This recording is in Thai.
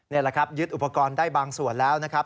นี่แหละครับยึดอุปกรณ์ได้บางส่วนแล้วนะครับ